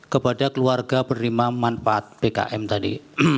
kepada keluarga penerima manfaat bkm tadi